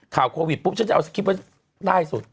ข่าวโควิดปุ๊บฉันจะเอาสกิปไว้ใต้สุด